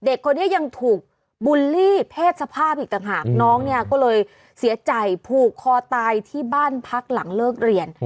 เด็กคนนี้ยังถูกบูลลี่เพศสภาพอีกต่างหากน้องเนี่ยก็เลยเสียใจผูกคอตายที่บ้านพักหลังเลิกเรียน